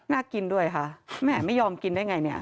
น่ากินด้วยค่ะแหมไม่ยอมกินได้ไงเนี่ย